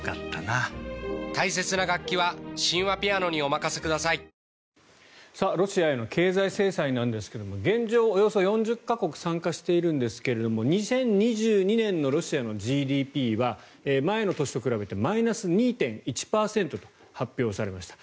行くべきなのか行かないのかそして、行くためにはロシアへの経済制裁なんですけども現状、およそ４０か国参加しているんですが２０２２年のロシアのＧＤＰは前の年と比べてマイナス２．１％と発表されました。